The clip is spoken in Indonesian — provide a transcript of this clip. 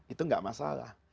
itu gak masalah